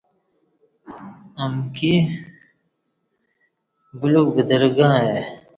امکی بلیوک بدرگں آئی